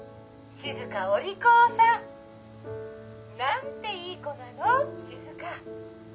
静お利口さん！なんていい子なの静！